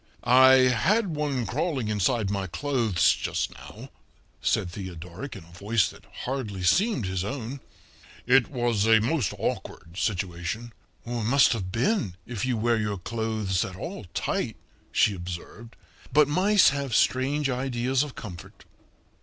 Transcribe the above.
"I had one crawling inside my clothes just now," said Theodoric in a voice that hardly seemed his own. "It was a most awkward situation." "It must have been, if you wear your clothes at all tight," she observed. "But mice have strange ideas of comfort."